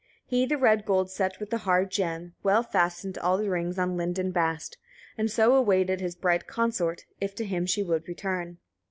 He the red gold set with the hard gem, well fastened all the rings on linden bast, and so awaited his bright consort, if to him she would return.